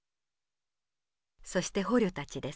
そして捕虜たちです。